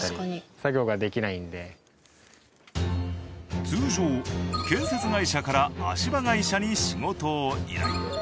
その通常建設会社から足場会社に仕事を依頼。